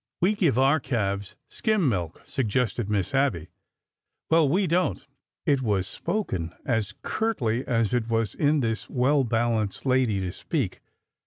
"We give our calves skim milk," suggested Miss Abby. " Well, we don't." It was spoken as curtly as it was in this well balanced lady to speak.